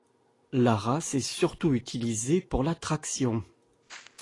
La race est surtout utilisée pour la traction.